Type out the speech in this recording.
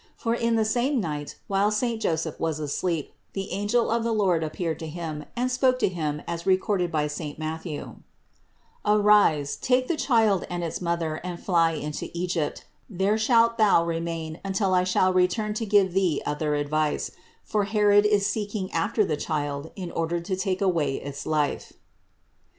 For in the same night, while saint Joseph was asleep, the angel of the Lord appeared to him, and spoke to him as recorded by saint Matthew: "Arise, take the Child and its Mother and fly into Egypt; there shalt thou remain until I shall return to give thee other advice; for Herod is seeking after the Child in order to take away its life."